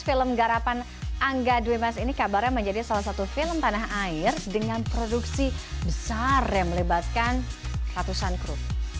film garapan angga dwi mas ini kabarnya menjadi salah satu film tanah air dengan produksi besar yang melibatkan ratusan kru